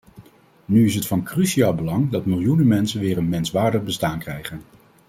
Nu is het van cruciaal belang dat miljoenen mensen weer een menswaardig bestaan krijgen.